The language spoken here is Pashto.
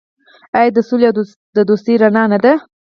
آیا د سولې او دوستۍ رڼا نه ده؟